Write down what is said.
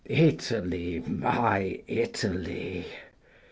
Italy, my Italy!